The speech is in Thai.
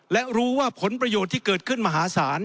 และรู้ว่าผลประโยชน์ที่เกิดขึ้นมหาศาล